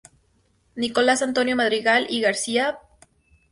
Nicolás Antonio Madrigal y García, Pbro.